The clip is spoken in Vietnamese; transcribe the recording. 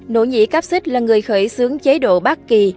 nỗ nhĩ cáp xích là người khởi xướng chế độ bác kỳ